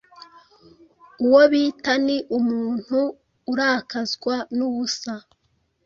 Uwo bita .ni umuntu urakazwa n’ubusa.